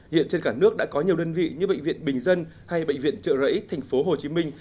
hiện trên cả nước đã có nhiều đơn vị như bệnh viện bình dân hay bệnh viện trợ rẫy thành phố hồ chí minh